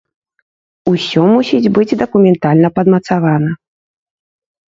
Усё мусіць быць дакументальна падмацавана.